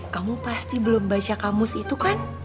kamu pasti belum baca kamus itu kan